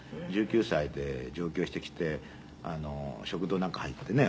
１９歳で上京してきて食堂なんか入ってね